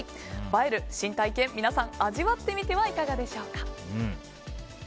映える新体験、皆さん味わってみてはいかがでしょうか。